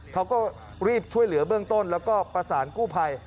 เขาก็รีบช่วยเหลือเบื้องต้นแล้วก็ประสานกู้ภัย